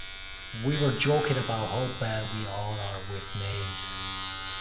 We were joking about how bad we all are with names.